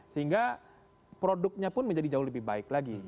sehingga produknya pun menjadi jauh lebih baik lagi